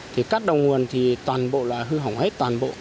thì các đầu nguồn thì toàn bộ là hư hỏng hết toàn bộ